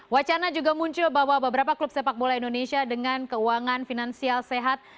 wacana juga muncul bahwa beberapa klub sepak bola indonesia dengan keuangan finansial sehat